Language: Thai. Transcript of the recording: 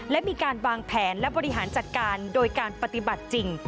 และมีการวางแผนและบริหารจัดการโดยการปฏิบัติจริง